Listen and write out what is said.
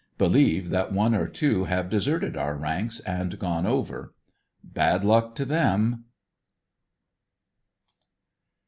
Believe that one or two have deserted our ranks and gone over. Bad luck to them.